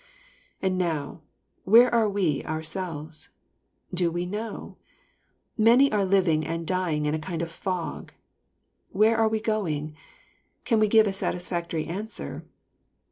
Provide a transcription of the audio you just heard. And now, where are we ourselves? Do we know? Many are living and dying in a kind of fog. — Where are we going? Can we give a satisfactory answer?